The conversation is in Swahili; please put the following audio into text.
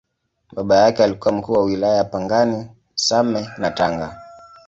Baba yake alikuwa Mkuu wa Wilaya Pangani, Same na Tanga.